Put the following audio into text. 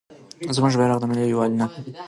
زموږ بیرغ د ملي یووالي نښه ده.